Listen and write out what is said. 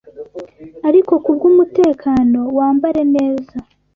ariko kubwumutekano wambare neza